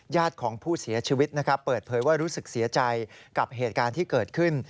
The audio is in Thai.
ของผู้เสียชีวิตนะครับเปิดเผยว่ารู้สึกเสียใจกับเหตุการณ์ที่เกิดขึ้น